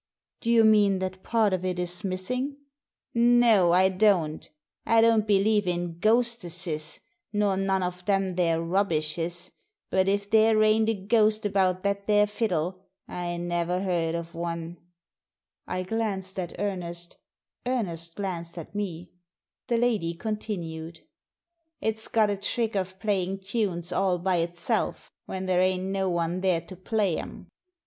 Do you mean that part of it is missing ?" "No, I don't I don't believe in ghostesses, nor none of them there rubbishes, but if there ain't a ghost about that there fiddle, I never heard of one." I glanced at Ernest ; Ernest glanced at me. The lady continued. Digitized by VjOOQIC THE VIOLIN 107 " It's got a trick of playing tunes all by itself, when there ain't no one there to play 'em."